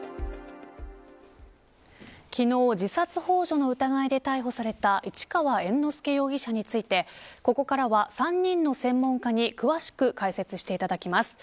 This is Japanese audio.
昨日、自殺ほう助の疑いで逮捕された市川猿之助容疑者についてここからは３人の専門家に詳しく解説していただきます。